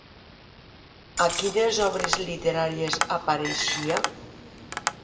A quines obres literàries apareixia?